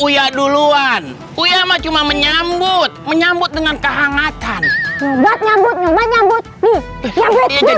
uya duluan uya cuma menyambut menyambut dengan kehangatan nyobot nyambut nyobot nyambut nyambut